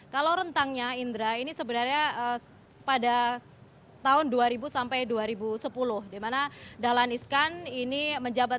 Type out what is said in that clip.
kalau rentangnya indra ini sebenarnya pada tahun dua ribu sampai dua ribu sepuluh dimana dahlan iskan ini menjabat